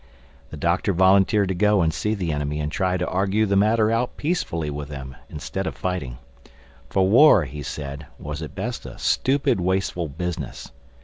The Doctor volunteered to go and see the enemy and try to argue the matter out peacefully with them instead of fighting; for war, he said, was at best a stupid wasteful business.